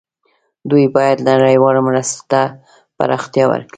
دوی باید نړیوالو مرستو ته پراختیا ورکړي.